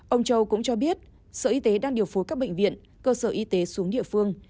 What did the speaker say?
ông châu cũng cho biết sở y tế đang điều phối các bệnh viện cơ sở y tế xuống địa phương